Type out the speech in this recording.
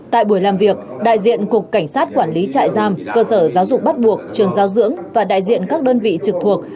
tại buổi làm việc đại diện cục cảnh sát quản lý trại giam cơ sở giáo dục bắt buộc trường giao dưỡng và đại diện các đơn vị trực thuộc